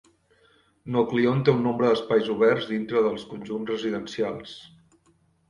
Knocklyon té un nombre d'espais oberts dintre dels conjunts residencials.